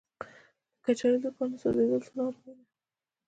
د کچالو د پاڼو سوځیدل څه ناروغي ده؟